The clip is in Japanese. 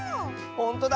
ほんとだ！